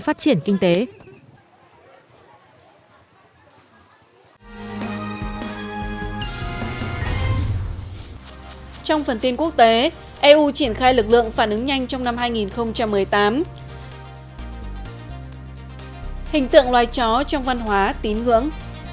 hình tượng loài chó trong văn hóa tín hưởng